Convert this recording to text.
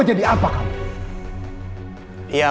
lo gak pernah cinta sama dia